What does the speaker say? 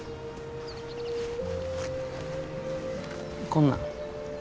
こんなん。